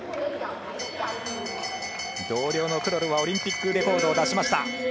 同僚のクロルはオリンピックレコードでした。